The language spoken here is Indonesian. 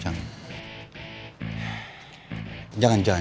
jangan jangan jangan